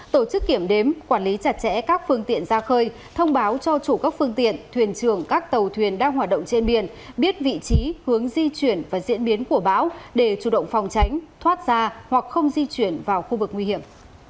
tổ chức kiểm đếm quản lý chặt chẽ các phương tiện ra khơi thông báo cho chủ các phương tiện thuyền trường các tàu thuyền đang hoạt động trên biển biết vị trí hướng di chuyển và diễn biến của bão để chủ động phòng tránh thoát ra hoặc không di chuyển vào khu vực nguy hiểm